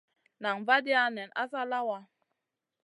Nan vaadia nen asa lawa.